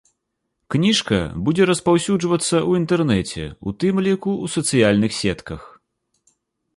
Кніжка будзе распаўсюджвацца ў інтэрнэце, у тым ліку ў сацыяльных сетках.